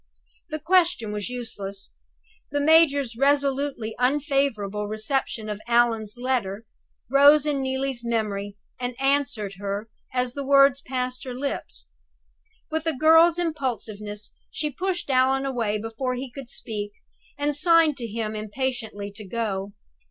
The question was useless; the major's resolutely unfavorable reception of Allan's letter rose in Neelie's memory, and answered her as the words passed her lips. With a girl's impulsiveness she pushed Allan away before he could speak, and signed to him impatiently to go.